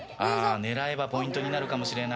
狙えばポイントになるかもしれない。